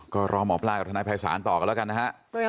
ก็รอหมอปลากับทนายภัยศาลต่อกันแล้วกันนะฮะ